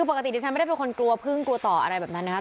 ปกติดิฉันไม่ได้เป็นคนกลัวพึ่งกลัวต่ออะไรแบบนั้นนะครับ